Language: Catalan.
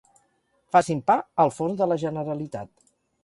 Facin pa al forn de la Generalitat.